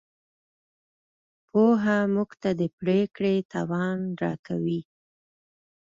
پوهه موږ ته د پرېکړې توان راکوي.